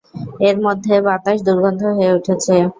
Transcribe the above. এর মধ্যে বাতাস দুর্গন্ধ হয়ে উঠেছে।